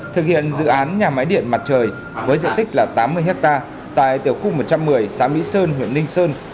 thực hiện dự án nhà máy điện mặt trời với diện tích là tám mươi hectare tại tiểu khu một trăm một mươi xã mỹ sơn huyện ninh sơn